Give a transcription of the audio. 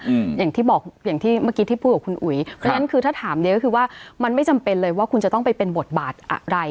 อืมอย่างที่บอกอย่างที่เมื่อกี้ที่พูดกับคุณอุ๋ยเพราะฉะนั้นคือถ้าถามเยอะก็คือว่ามันไม่จำเป็นเลยว่าคุณจะต้องไปเป็นบทบาทอะไร